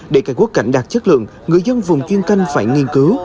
để cây quất cảnh đạt chất lượng người dân vùng chuyên canh phải nghiên cứu